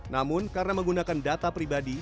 namun karena menggunakan data pribadi